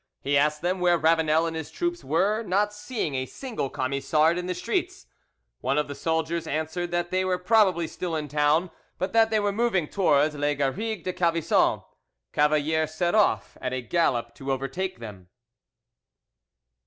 He asked them where Ravanel and his troops were, not seeing a single Camisard in the streets; one of the soldiers answered that they were probably still in town, but that they were moving towards Les Garrigues de Calvisson. Cavalier set off at a gallop to overtake them.